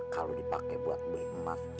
kalau dipakai buat beli emas